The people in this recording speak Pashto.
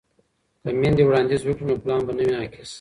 که میندې وړاندیز وکړي نو پلان به نه وي ناقص.